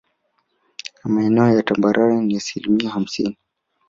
Na maeneo ya tambarare ni asilimia hamsini